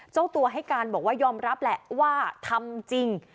เจ้าตัวให้การบอกว่ายอมรับแหละว่าทำจริง